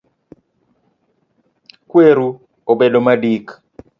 Kweru obedo madik